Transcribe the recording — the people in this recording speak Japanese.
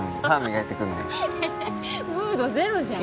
ムードゼロじゃん。